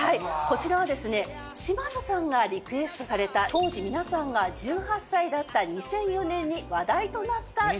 こちらはですね嶋佐さんがリクエストされた当時皆さんが１８歳だった２００４年に話題となった展示品です。